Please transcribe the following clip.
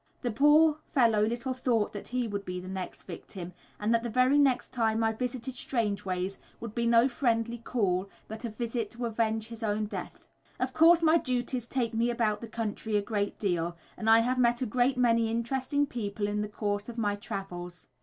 The poor fellow little thought that he would be the next victim, and that the very next time I visited Strangeways would be no friendly call, but a visit to avenge his own death. Of course, my duties take me about the country a great deal, and I have met a great many interesting people in the course of my travels.